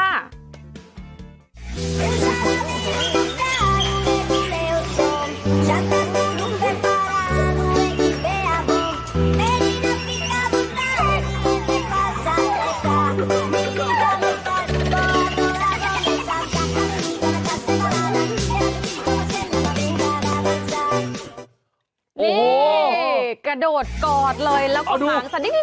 นี่กระโดดกอดเลยแล้วคุณหมาสั่นดี